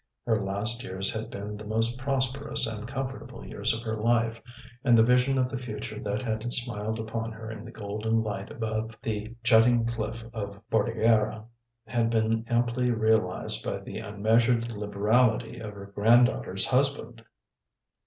Her last years had been the most prosperous and comfortable years of her life, and the vision of the future that had smiled upon her in the golden light above the jutting cliff of Bordighera had been amply realised by the unmeasured liberality of her granddaughter's husband.